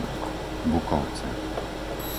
Bukovce